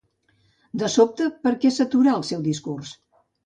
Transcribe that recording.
De sobte, per què s'aturà el seu discurs?